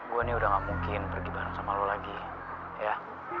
gue nih udah gak mungkin pergi bareng sama lo lagi ya